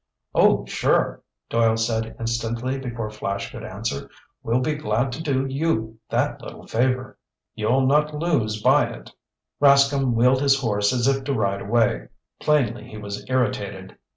"Oh, sure," Doyle said instantly before Flash could answer. "We'll be glad to do you that little favor." "You'll not lose by it." Rascomb wheeled his horse as if to ride away. Plainly he was irritated.